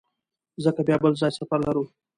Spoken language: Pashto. ځکه بیا بل ځای سفر لرو.